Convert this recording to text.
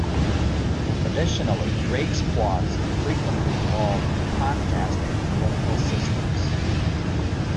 Additionally, Drake's plots frequently involve a contest of political systems.